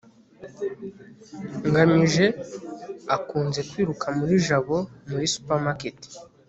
ngamije akunze kwiruka muri jabo muri supermarket